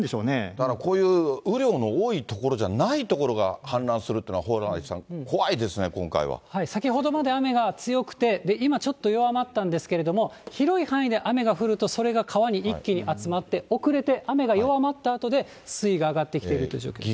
だから、こういう雨量の多い所じゃない所が氾濫するっていうのは、蓬莱さ先ほどまで雨が強くて、で、今、ちょっと弱まったんですけれども、広い範囲で雨が降ると、それが川に一気に集まって、遅れて雨が弱まったあとで、水位が上がってきているという状況です。